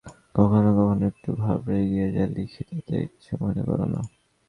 কখনও কখনও একটু ঘাবড়ে গিয়ে যা লিখি, তাতে কিছু মনে কর না।